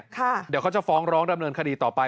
เดี๋ยวเขาจะฟ้องร้องดำเนินคดีต่อไป